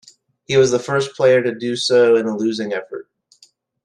He was the first player to do so in a losing effort.